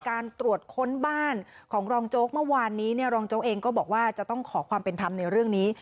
การตรวจค้นบ้านของรองโจ๊กเมื่อวานนี้เนี่ยรองโจ๊กเองก็บอกว่าจะต้องขอความเป็นธรรมในเรื่องนี้